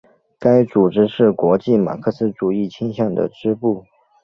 该组织是国际马克思主义倾向的支部。